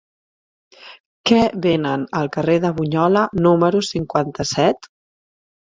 Què venen al carrer de Bunyola número cinquanta-set?